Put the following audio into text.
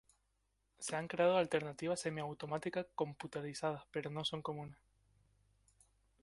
Se han creado alternativas semiautomáticas computarizadas, pero no son comunes.